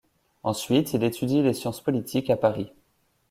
Ensuite il étudie les sciences politiques à Paris.